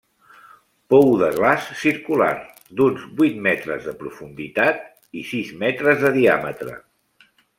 Pou de glaç circular d'uns vuit metres de profunditat i sis metres de diàmetre.